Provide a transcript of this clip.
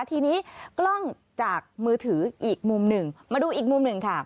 ทีนี้กล้องจากมือถืออีกมุมหนึ่งมาดูอีกมุมหนึ่งค่ะ